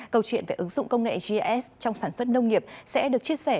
câu chuyện về ứng dụng công nghệ gis trong sản xuất nông nghiệp sẽ được chia sẻ